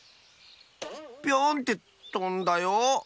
ピョン！ってとんだよ。